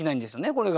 これが。